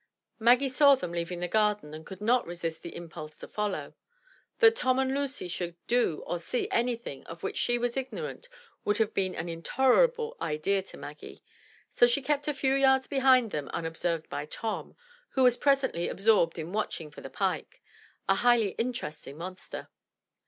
Maggie saw them leaving the garden and could not resist the impulse to follow. That Tom and Lucy should do or see anything of which she was ignorant would have been an intolerable idea to Maggie. So she kept a few yards behind them unobserved by Tom, who was presently absorbed in watching for the pike, — a highly interesting monster.